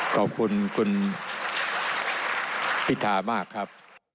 ขอบคุณคุณพิธามากครับ